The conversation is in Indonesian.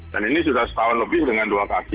dan ini sudah setahun lebih dengan dua kaki